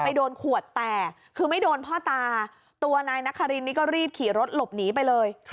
โดนขวดแตกคือไม่โดนพ่อตาตัวนายนครินนี่ก็รีบขี่รถหลบหนีไปเลย